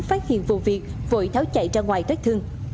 phát hiện vụ việc vội tháo chạy ra ngoài thoát thương